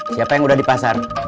siapa yang udah di pasar